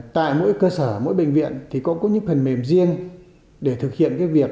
tại mỗi cơ sở mỗi bệnh viện thì cũng có những phần mềm riêng để thực hiện việc